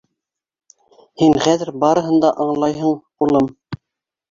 — Һин хәҙер барыһын да аңлайһың, улым.